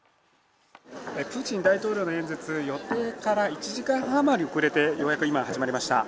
プーチン大統領の演説、予定から１時間半あまり遅れてようやく今、始まりました。